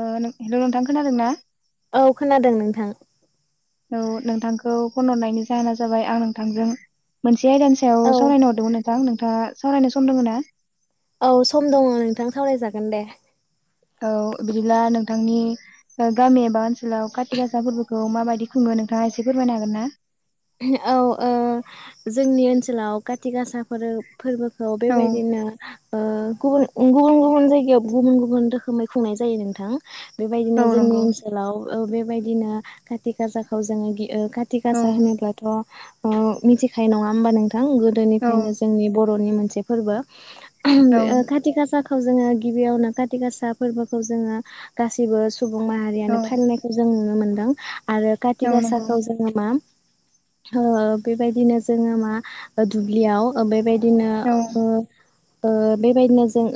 ओ नो-नोंथां खोनादों ना औ खोनादों नोंथां औ नोंथांखौ फन हरनायनि जाहोना जाबाय आं नोंथांजों मोन से आयदानि सायाव औ सावरायनो हरदोंमोन नोंथां नोंथाङा सावरायनो सम दङ ना औ सम दङ नोंथां सावरायजागोन दे औ बिदिब्ला नोंथांनि गामि एबा ओनसोलाव खाथि गासा फोरबोखौ माबायदि खुङो? नोंथाङा एसे फोरमायनो हागोन ना औ ओ जोंनि ओनसोलाव काथि गासाफोर फोर्बोखौ औ बेबायदिनो ओ गुबुन गुबुन गुबुन जायगायाव गुबुन गुबुन रोखोमै खुंनाय जायो नोंथां बेबायदिनो औ जोंनि नंगौ ओनसोलाव ओ बेबायदिनो खाति खासाखौ जोङो ओ खाथि औ गासा होनोब्लाथ' अ मिथिखायो नङा होमबा नोंथां थां औ गोदोनिफ्रायनो जोंनि बर'नि मोनसे फोर्बो औ खाथि गासा खौ जोङो गिबियावनो खााथि गासा फोर्बोखौ जोङो गासिबो सुबुं औ माहारियानो फालिनायखौ जों नुनो मोनदों आरो खाति औ नंगौ गासाखौ जोङो मा ओ बेबायदिनो जोङो मा दुब्लियाव बेबाय दिनो औ ओ ओ बेबायदिनो जों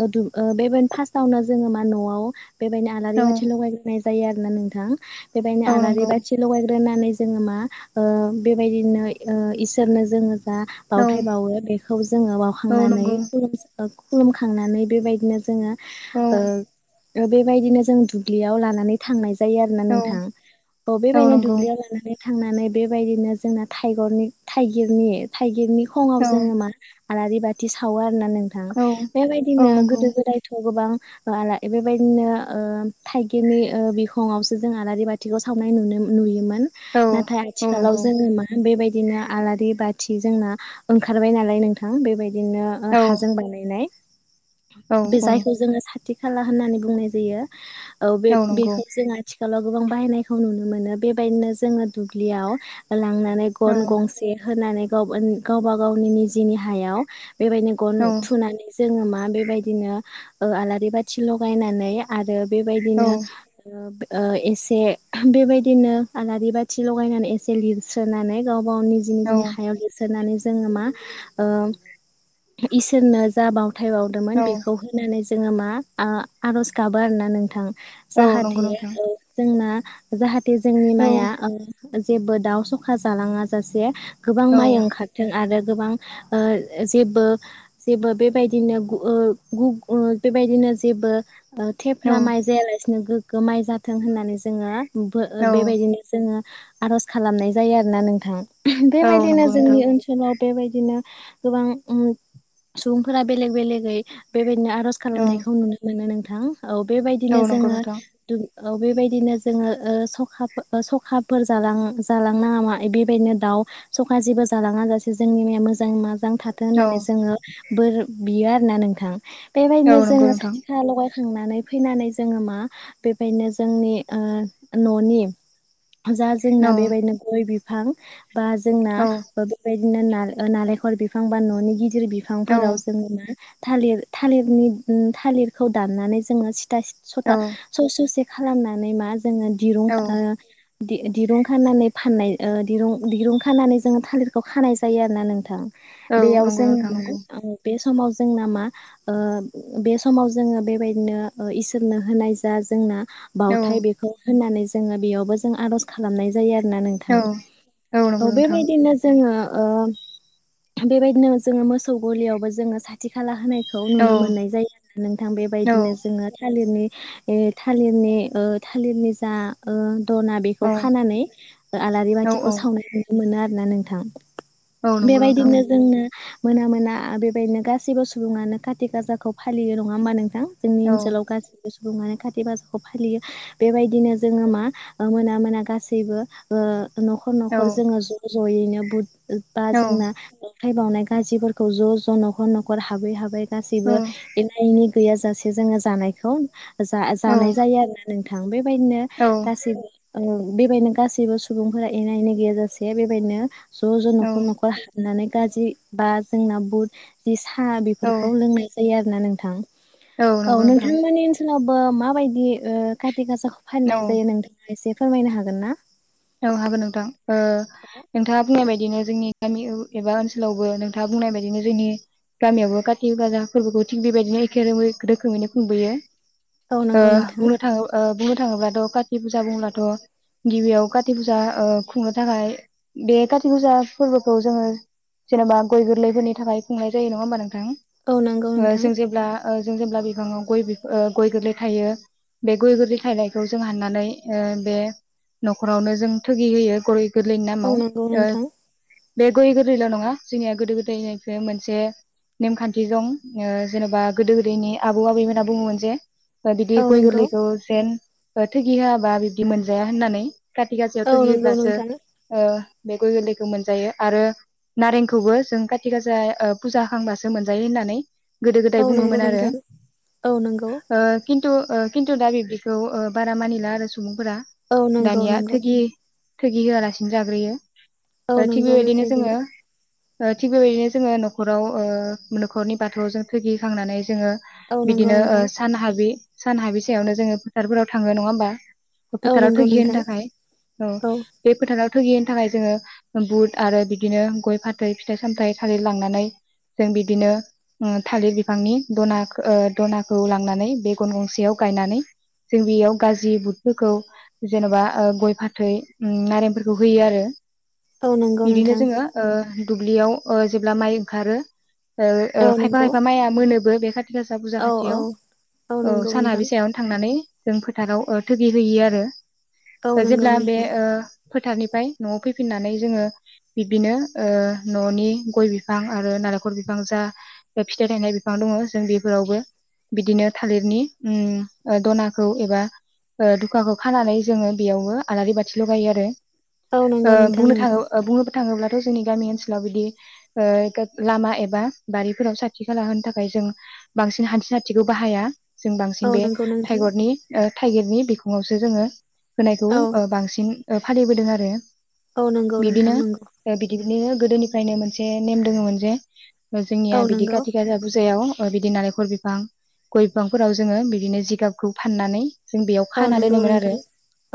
बेबायदिनो फार्स्टआवनो जोङो मा न'आव बेबायदिनो आलारि औ बाथि लगायग्रोनाय जायो आरो ना नोंथां बेबायदिनो औ आलारि नंगौ बाथि लगायग्रोनानै जोङो मा ओ बेबायदिनो इसोरनो जों बा औ बावथाय बावो बेखौ जोङो औ बावखांनानै नंगौ [unintelligible] खुलुमखांनानै बेबायदिनो जोङो औ ओ ओ बेबायदिनो जों दुबलियाव लानानै थांनाय जायो। जायो आरोना औ नोंथां अ औ बेबायदिनो नंगौ दुब्लियाव लानानै थांनानै बेबायदिनो जोंना थाइगनि थाइगिरनि थाइगिरनि खङाव औ जोङो मा आलारि बाथि सावो आर ना नोंथां औ औ बेबायदिनो नंगौ गोदो गोदायथ' गोबां आला बेबायदिनो ओ थाइगिरनि ओ बिखङावसो जों आलारि बाथिखौ सावनाय नुनो मोनो नुयोमोन औ नाथाय औ आथिखालाव नंगौ जोङो मा बेबाइदि बिदिनो आलारि बाथि जोंना ओंखारबाय नालाय नोंथां बेबायदि बिदिनो औ हाजों बानायनाय औ बे औ जायखौ जोङो साथि साथि खाला होननानै बुंनाय जायो औ बे बेखौ जों आथिखालाव गोबां बाहायनायखौ नुनो मोनो बेबायदिनो जोङो दुब्लियाव लांनानै औ ग'न गंसे होनानै ग गावबा गावनि निजिनि हायाव बेबायदिनो गन औ थुनानै जोङो मा बेबायदिनो ओ आलारि बाथि लगायनानै आरो औ बेबायदिनो ओ एसे बेबायदिनो आलारि बाथि लगायनानै एसे लिरस्रोनानै गाव गाव निजि औ निजिनि हायाव लिरसोनानै जोङो मा ओ इसोरनो जा बावथाय औ बावदोंमोन बेखौ होनानै जो जोङो मा आ आर'ज गाबो आरोना नोंथां औ नंगौ जाहाथे नोंथां ओ जोंना जाहाथे जोंनि औ माइआ ओ जेबो दाउ सखा जालाङा जासे गोबां औ माइ ओंखारथों आरो गोबां ओ जेबो जेबो बेबायदिनो गु ओ गु ओ बेबायदिनो जेबो औ थेफ्ला माइ जायालासिनो गोगगो माइ जाथों होननानै जोङो बो औ बेबायदिनो जोङो आर'ज खालामनाय जायो आरोना नोंथां औ बेबायदिनो नंगौ नोंथां जोंनि ओनसोल आव बेबायदिनो गोबां सुबुंफोरा बेलेग बेलेगै बेबायदि बिनो आर'ज औ खालामनायखौ नुनो मोनो नोंथां औ औ बेबायदिनो नंगौ जोङो नोंथां औ बेबायदिनो जोङो ओ सखाफो ओ सखाफोर जालां जालांनाङा मा बेबायदिनो दाउ सखा जेबो जालाङा जासे जोंनि माया मोजां मा जां थाथों औ होननानै जोङो बोर बियो आरो ना नोंथां औ बेबायदिनो नंगौ जोङो नोंथां साथि खा लगाय थांनानै फैनानै जोङो मा बेबायदिनो जोंनि ओ न'नि जा जोंना औ बेबायदिनो गय बिफां बा जोंना औ बा बेबाय दिनो ना ओ नालेंखर बिफां बा न'नि गिदिर औ बिफांफोराव जोङो ना थालिर थालिरनि थालिरखौ दाननानै जोङो सिथा औ सथा स-ससे खालामनानै मा जोङो दिरुं ओ औ दि-दिरुं खानानै फाननाय ओ दिरुं दिरुं खानानै जोङो थालिरखौ खानाय जायो आरोना नोंथां। औ बेयाव नंगौ जोङो नोंथां नंगौ ओ बे समाव जोंना मा ओ बे समाव जोङो बेबायदिनो ओ इसोरनो होनाय जा जोंना बावथाय बेखौ होननानै जोङो बेयावबो जों आर'ज खालामनाय जायो आरोना औ नोंथां। औ बेबायदिनो जोङो ओ बेबायदिनो जोङो मोसौ गलियावबो जोङो साथि खाला होनाय खौ औ नुनो मोननाय जायो नोंथां औ बेबायदिनो जोङो थालिरनि ए थालिरनि ओ थालिरनि जा ओ दना बेखौ औ खानानै आलारि औ बाथिखौ सावनाय नुनो मोनो आरोना नोंथां। औ नंगौ नोंथां बेबायदिनो जोंनो मोना मोना बेबायदिनो गासैबो सुबुङानो खाथि गाजाखौ फालियो नङा होमबा नों थां? जोंनि औ ओनसोलाव गासैबो सुबुंङानो खाति गासाखौ फालियो। बेबायदिनो जोङो मा ओ मोना मोना गासैबो ओ न'ख'र औ न'ख'र जोङो ज' ज'यैनो बुद बा औ जोंना अखाइ बावनाय गाजिफोरखौ ज' ज' न'ख'र न'ख'र हाबै हाबै औ गासैबो एना एनि गैयाजासे जोङो जानायखौ जा-जानाय जायो आरोना नों थां। बेबायदिनो गासैबो उम बेबायदनो गासैबो सुबुंफोरा एना एनि गैयाजासे बेबायदिनो ज' औ ज' न'खर न'खर हाबनानै गाजि बा जोंना बुत [unintelligible] था औ बेफोरखौ लोंनाय जायो आरो ना नोंथां। औ नोंथां मोनि ओनसोलाव बो माबायदि ओ काटि गासाखौ फाननाय औ जायो नोंथाङा एसे फोरमायनो हागोन ना? औ हागोन नोंथां। ओ नोंथाङा बुंनाय बायदिनो जोंनि गामि औ एबा ओनसोलावबो नोंथाङा बुंनाय बायदिनो जोंनि गामियावबो काति गाजा फोर्बोखौ थिग बेबायदिनो एखे रोमै रोखोमैनो खुंबोयो। औ ओ नंगौ नोंथां बुंनो थाङो बुंनो थाङोब्लाथ' काति पुजा बुंब्लाथ' गिबियाव का ति फुजा ओ खुंनो थाखाय बे काति फुजा फोर्बोखौ जोङो जेनेबा गय गोरलैफोरनि थाखाय खुंनाय जायो नङा होमबा नोंथां? औ नंगौ ओ नोंथां जों जेब्ला ओ जों जेब्ला बिफाङाव गय बिफ गय गोरलै थायो बे गय गोरलै थायनायखौ जों हाननानै ओ बे न'खरावनो जों थोगि होयो गय गोरलैनि औ नामाव। नंगौ ओ नोंथां बे गय गोरलैल' नङा जोंनिया गोदो गोदायनिफ्राय मोनसे नेमखान्थि दं ओ जेन'बा गोदो गोदायनि आबौ आबैमोना बुङोमोन जे ओ बिदि औ गय नंगौ गोरलैखौ जेन ओ थोगि होआबा बिबदि मोनजाया होननानै। काति गाजायाव औ थोगि नंगौ होब्लासो नोंथां ओ बे गय गोरलैखौ मोनजायो आरो नारेंखौबो जों काति गाजाय ओ पुजा होखांबासो मोनजायो होननानै गोदो गोदाय औ नंगौ बुङोमोन आरो। नोंथां औ नंगौ ओ किन थु ओ किन्थु दा बिब्दिखौ ओ बारा मानिला आरो सुबुंफोरा औ नंगौ दानिया। नंगौ थोगि होआलासिनो जाग्रोयो। औ ओ थिग नंगौ बेबायदिनो जोङो ओ थिग बेबायदिनो जोङो न'खराव ओ न'खरनि बाथौजो थोगि होखांनानै जोङो औ नंगौ बिदिनो ओ नोंथां सान हाबि सान हाबि सायावनो जोङो फोथारफोराव थाङो नङा होमबा? औ फोथाराव नंगौ थोगि नोंथां होनो थाखाय। औ बे फोथा राव थोगि होनो थाखाय जोङो बुट आरो बिदिनो गय फाथै फिथाइ सामथाइ थालिर लांनानै जों बिदिनो ओ थालिर बिफांनि दनाख ओ दनाखौ लांनानै बे गन गंसेयाव गायनानै जों बियाव गाजि बुटफोरखौ जेन'बा ओ गय फाथै नारेंफोरखौ होयो आरो। औ नंगौ बिदिनो नोंथां जोङो ओ दुब्लियाव ओ जेब्ला माइ ओंखारो ओ ओ औ खायफा नंगौ खायफा माइआ मोनोबो बे [unintelligible] गासा पुजा औ औ खााथियाव औ नंगौ सान नोंथां हाबै सायावनो थांनानै जों फोथाराव ओ थोगि होयि आरो औ नंगौ जेब्ला बे नोंथां ओ फोथारनिफाय न'आव फैफिननानै जोङो बिब्दिनो ओ न'नि गय बिफां आरो नालेखर बिफां जा ओ फिथाइ थायनाय बिफां दङ' जों बेफोरावबो बिदिनो थालिरनि उम ओ द'नाखौ एबा ओ दुखाखौ खानानै जोङो बेयावबो आलारि बाथि लगायो आरो औ नंगौ ओ नोंथां बुंनो नंगौ थाङो ओ बुंनोबो थाङोब्ला थ' जोंनि गामि ओनसोलाव बिदि ओ गोक लामा एबा बारिफोराव साथि खाला होनो थाखाय जों बांसिन हान्थि साथिखौ बाहाया जों बांसिन औ बे नंगौ नोंथां थाइगरनि ओ थाइगिरनि बिखुङावसो जोङो होनायखौ औ ओ बांसिन ओ फालिबोदों आरो औ नंगौ नोंथां नंगौ नो गोदोनिफ्रायनो मोनसे नेम दोङोमोन जे औ ओजोंनिया बिदि नंगौ काति गाजा पुजायाव ओ बिदि नालेखर बिफां गय बिफांफोराव जोङो बिदिनो जिगाबखौ फाननानै जों बेयाव औ खाना नंगौ दोनोमोन नोंथां आरो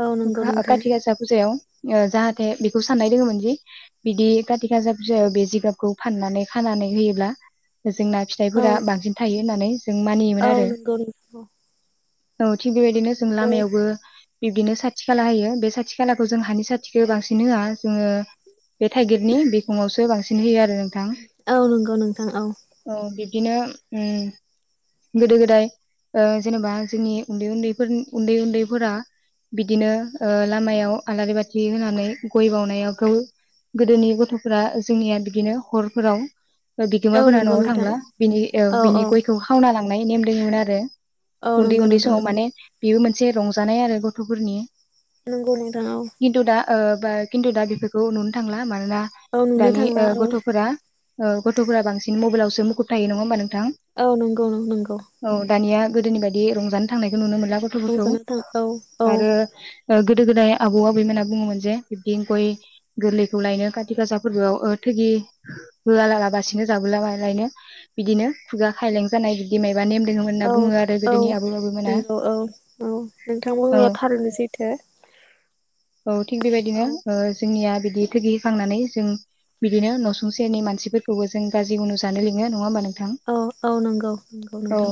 औ [unintelligible] नोंथां काति गासा पुजा [unintelligible] ओ जाहाथे बेखौ साननाय दोङोमोन जि बिदि काति गाजा पुजायाव बे जिगाबखौ फानना नै खानानै होयोब्ला जोंना औ फिथाइफोरा बांसिन थायो होननानै जों मानियोमोन औ आरो नंगौ नोंथां औ थिग बेबायदिनो जों लामायावबो बिबदिनो सा थि खाला होयो बे साथि खालाखौ जों हानि साथिखो बांसिन होआ जोङो बे थाइगिरनि बिखुङावसो बांसिन होयो आरो नोंथां औ नंगौ नोंथां औ ओ बिद दिनो उम गोदो गोदाय ओ जेनेबा जोंनि उन्दै उन्दैफोर उन्दै उन्दैफोरा बिदिनो ओ लामायाव आलारि बाथि होनानै गय बावनायावखौ गोदोनि गथ'फोरा जोंनिया बिदिनो हरफोराव औ बिगोमाफोरा नंगौ न'आव नोंथां थांब्ला बिनि ओ औ बिनि औ गयखौ खावना ला औ उन्दै नंगौ उन्दै नोंथां समाव माने बेबो मोनसे रंजानाय आरो गथ'फोरनि नोंगौ नोंथां औ खिन्थु दा ओ बा खिन्थु दा बेफोरखौ नुनो थांला मानोना औ नुनो दानि थांला ओ औ गथ'फोरा औ गथ'फोरा बांसिन मबाइलावसो मुखुब थायो नङा होमबा नोंथां? औ नंगौ नंगौ औ दानिया गोदोनि बायदि रंजानो थांनायखौ नुनो मोन रंजानो थां औ औ आरो ओ गो दो गोदाय आबौ आबैमोना बुङोमोन जे बिब्दि गय गोरलैखौ लायनो काति गासा फोरबोआव ओ थैगि [unintelligible] होआला लाबासिनो जाबुला ला-लायनो बिदिनो खुगा खायलें जानाय बिदि मे [unintelligible] नेम दोंङोमोनना औ बुङो आरो औ गोदोनि आबौ आबैमोना। नंगौ औ औ नोंथांथो औ थिग बेबायदिनो औ ओ जों निया बिदि थोगि होखांनानै जों बिदिनो न'सुं सेरनि मानसिफोरखौबो जों गाजि उनु जानो लिङो नङा ओमबा नों थां औ औ नंगौ नंगौ औ नोंथां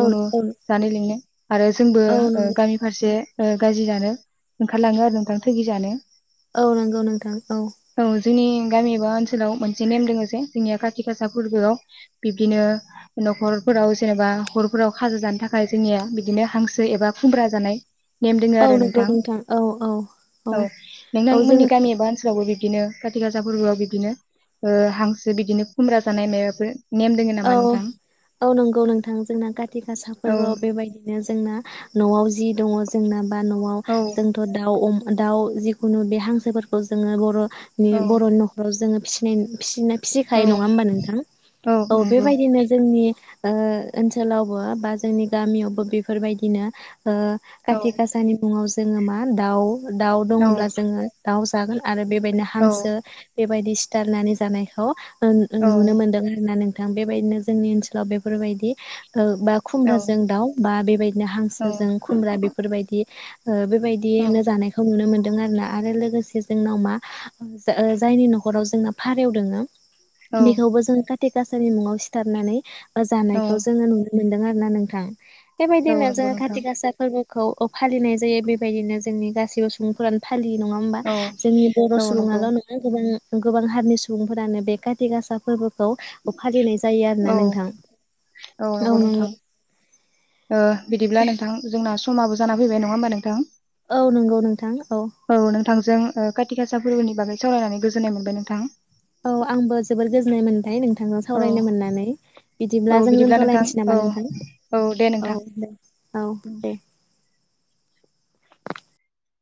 औ उनु औ जानो लिङो आरो जोंबो औ ओ नंगौ गामि फारसे ओ गाजि जानो ओंखारलाङो आरो नोंथां थोगि जानो। औ नंगौ नोंथां औ जोंनि गामि एबा ओन सोलाव मोनसे नेम दोङो जे जोंनिया काति गासा फोरबोआव बिब्दिनो न'खरफोराव जेनेबा हरफोराव नेम दोङो औ आरो नंगौ नोंथां औ औ औ नोंथां औ जों मोननि गामि एबा ओनसोलावबो बि दिनो काति गासा फोरबोआव बिदिनो ओ हांसो बिदिनो खुमब्रा जानाय मायबाफोर दोङो नामा औ नोंथां? औ नंगौ नोंथां जोंना काति गासा औ फोरबोआव बेबायदिनो जोंना न'आव जि दङ' जोंना बा न'आव औ जोंथ' दाउ अम दाउ जिखुनु बे हांसोफोरखौ जोङो बर' औ नुयो बर' न'खराव जोङो फिसिनाय- फिसिनाय औ फिसिखायो नङा होमबा नोंथां? औ बेबायदिनो जोंनि ओ ओनसोलावबो बा जोंनि गामियावबो बेफोरबायदिनो ओ औ खाथि गाासानि मुङाव जोङो मा दाउ दाउ औ दङब्ला जोङो दाउ जागोन आरो बेबायदिनो हांसो बेबायदि सिथारनानै जानायखौ औ नुनो मोनदों आरो ना नोंथां बेबायदिनो जोंनि ओनसोलाव बेफोरबायदि ओ बा खुमब्राजों दाउ बा बेबायदिनो औ हांसोजों खुमब्रा बेफोरबायदि ओ औ बेबायदिनो जानायखौ नुनो मोनदों। दों आरोना आरो लोगोसे जोंनाव मा जायनि न'खराव जोंना फारौ दङो औ बेखौबो जों खाति गाासानि मुङाव सिथारनानै औ जानायखौ जोङो नु मोनदों आरो ना नोंथां औ बेबायदिनो नंगौ जोङो खाथि नोंथां गासा फो खौ फालिनाय जायो बेबायदिनो जोंनि गासैबो सुबुंफोरानो खालि नङा होमबा औ जोंनि बर' औ नंगौ सुबुङाल' नङा गोबां गोबां हारिनि सुबुंफोरानो बे काति गासा फोरबोखौ फालिनाय जायो औ आरोना नोंथां औ नंगौ। ओ बिदिब्ला नोंथां जोंना समाबो जाना फैबाय नङा होमबा नोंथां? औ नंगौ नोंथां औ नोंथांजों खााथि खासा फोरबोनि बागै सावरायनानै गोजोननाय मोनबाय नोंथां। औ आंबो जबोद गोजोननाय मोनबाय नोंथां नोंथांजों औ सावरायनो मोननानै बिदिब्ला औ जों नोंथां दोनथ'लायनोसै औ नामा नोंथां औ दे औ नोंथां दे। औ दे [inaudible]